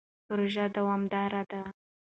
پروژه دوامداره ده.